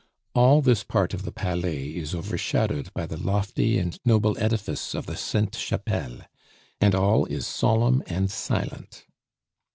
All this part of the Palais is overshadowed by the lofty and noble edifice of the Sainte Chapelle. And all is solemn and silent.